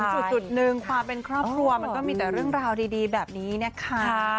จุดหนึ่งความเป็นครอบครัวมันก็มีแต่เรื่องราวดีแบบนี้นะคะ